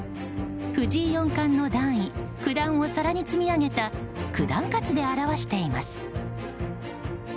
藤井四冠の段位九段を皿に積み上げた九段カツで表しています。